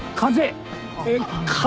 風。